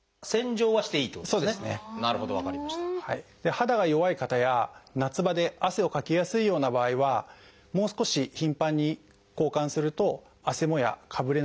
肌が弱い方や夏場で汗をかきやすいような場合はもう少し頻繁に交換するとあせもやかぶれなどの予防になると思います。